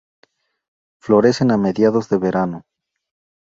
Florecen a mediados de verano.